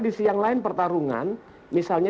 di sisi yang lain pertarungan misalnya